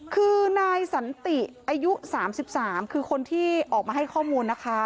คือนายสันติอายุ๓๓คือคนที่ออกมาให้ข้อมูลนะคะ